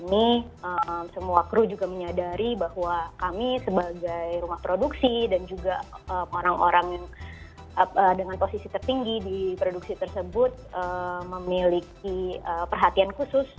dan juga klausul khusus tentang hal ini semua kru juga menyadari bahwa kami sebagai rumah produksi dan juga orang orang yang dengan posisi tertinggi di produksi tersebut memiliki perhatian khusus